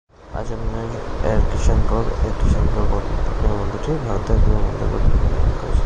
আজমের এর কিষাণগড় এ কিষানগড় বিমানবন্দরটি ভারতের বিমানবন্দর কর্তৃপক্ষ নির্মাণ করেছে।